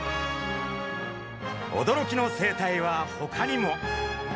驚きの生態はほかにも。